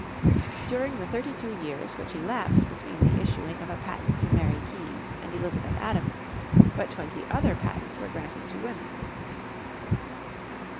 During the thirty two years which elapsed between the issuing of a patent to Mary Kies and Elizabeth Adams, but twenty other patents were granted to women.